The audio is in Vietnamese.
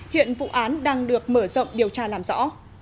hiện vụ án đang được mở rộng điều tra làm rõ